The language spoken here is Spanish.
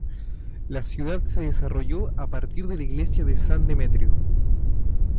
La ciudad se desarrolló a partir de la iglesia de San Demetrio.